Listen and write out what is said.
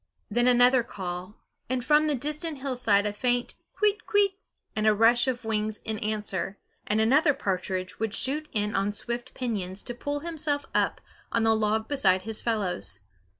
Then another call, and from the distant hillside a faint kwit kwit and a rush of wings in answer, and another partridge would shoot in on swift pinions to pull himself up on the log beside his fellows.